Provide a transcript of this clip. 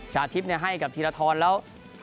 ชาทิพย์ให้กับธีรทรแล้ว